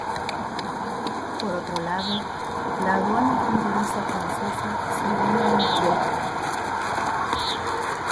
Por otro lado, la aduana fronteriza francesa seguía en los Vosgos.